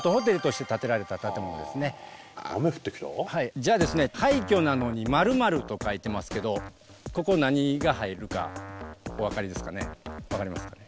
じゃあですね「廃墟なのに○○」と書いてますけどここ何が入るかお分かりですかね？